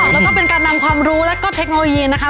แล้วก็เป็นการนำความรู้แล้วก็เทคโนโลยีนะคะ